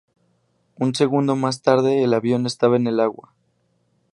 Un segundo más tarde el avión estaba en el agua.